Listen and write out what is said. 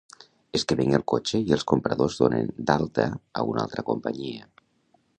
És que venc el cotxe i els compradors donen d'alta a una altra companyia.